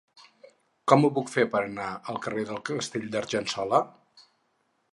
Com ho puc fer per anar al carrer del Castell d'Argençola?